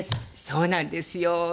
そうなんですよ。とかね